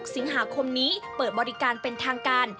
สิงหาคมนี้เปิดบริการเป็นทางการ